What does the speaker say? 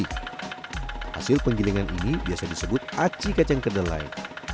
hasil penggilingan ini biasa disebut aci kacang kedelai